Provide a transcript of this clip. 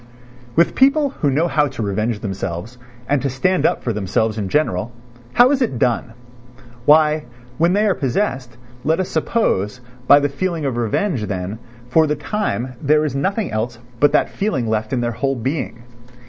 III With people who know how to revenge themselves and to stand up for themselves in general, how is it done? Why, when they are possessed, let us suppose, by the feeling of revenge, then for the time there is nothing else but that feeling left in their whole being.